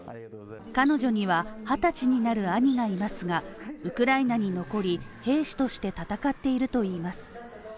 彼女には２０歳になる兄がいますがウクライナに残り、兵士として戦っているといいます。